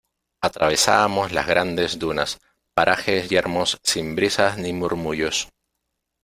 atravesábamos las grandes dunas, parajes yermos sin brisas ni murmullos.